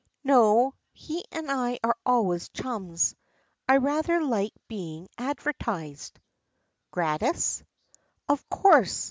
"No, he and I are always chums. I rather liked being advertised." "Gratis?" "Of course.